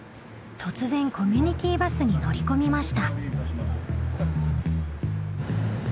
突然コミュニティバスに乗り込みました。